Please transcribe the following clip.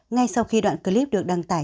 ngay sau khi đoạn clip được đăng tải